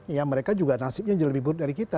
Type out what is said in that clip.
ya mereka juga nasibnya lebih buruk dari kita